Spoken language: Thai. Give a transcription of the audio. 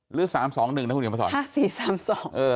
หรือ๓๒๑นะคุณหิวมันศร